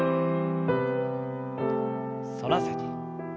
反らせて。